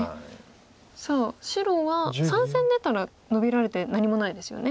さあ白は３線出たらノビられて何もないですよね。